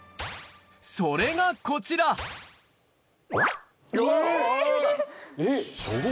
それがこちらえぇ！